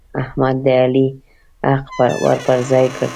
احمد د علي حق ور پر ځای کړ.